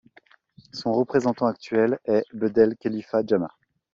Son représentant actuel est Bedel Kelifa Jama.